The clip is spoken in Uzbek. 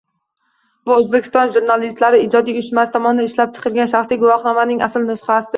Bu O'zbekiston Jurnalistlari ijodiy uyushmasi tomonidan ishlab chiqilgan shaxsiy guvohnomaning asl nusxasi